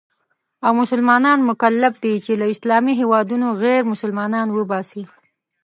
او مسلمانان مکلف دي چې له اسلامي هېوادونو غیرمسلمانان وباسي.